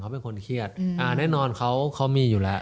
เขาเป็นคนเครียดแน่นอนเขามีอยู่แล้ว